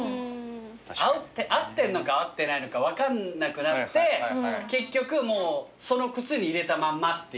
合ってんのか合ってないのか分かんなくなって結局その靴に入れたまんまっていう。